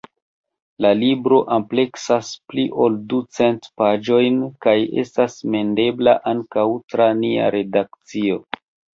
La libro ampleksas pli ol ducent paĝojn, kaj estas mendebla ankaŭ tra nia redakcio.